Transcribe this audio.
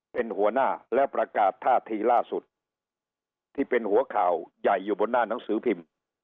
เป็นหัวหน้าและประกาศท่าทีล่าสุดที่เป็นหัวข่าวใหญ่อยู่บนหน้าหนังสือพิมพ์